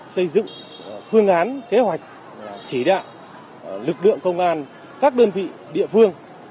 xây dựng phương án kế hoạch chỉ đạo lực lượng công an các đơn vị địa phương